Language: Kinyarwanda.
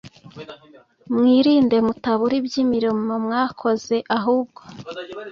Mwirinde mutabura iby imirimo mwakoze ahubwo